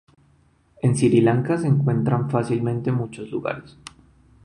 En Sri Lanka se encuentra fácilmente en muchos lugares.